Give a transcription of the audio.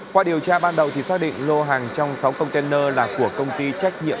qua điều tra ban đầu thì xác định lô hàng trong sáu container là của công ty trách nhiệm